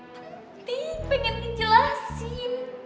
penting pengen dijelasin